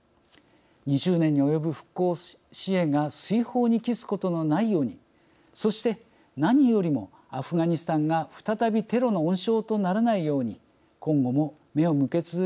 ２０年に及ぶ復興支援が水泡に帰すことのないようにそして何よりもアフガニスタンが再びテロの温床とならないように今後も目を向け続けることが重要だと思います。